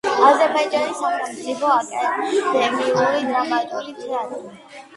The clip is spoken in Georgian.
აზერბაიჯანის სახელმწიფო აკადემიური დრამატული თეატრი.